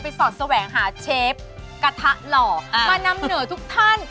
สอดแสวงหาเชฟกระทะหล่อมานำเหนอทุกท่าน